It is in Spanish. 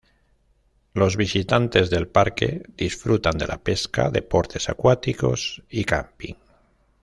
Los visitantes del parque disfrutan de la pesca, deportes acuáticos, y camping.